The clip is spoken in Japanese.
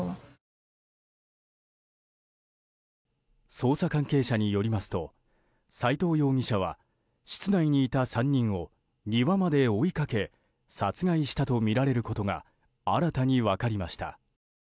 捜査関係者によりますと斎藤容疑者は室内にいた３人を庭まで追いかけ殺害したとみられることが新たに分かりました。